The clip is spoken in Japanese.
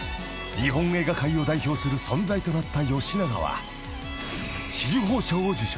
［日本映画界を代表する存在となった吉永は紫綬褒章を受章］